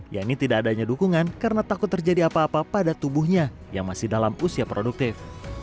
yaitu tidak adanya dukungan karena takut terjadi apa apa pada tubuhnya yang masih dalam usia produktif